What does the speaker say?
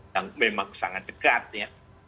yang memang sangat dekat ya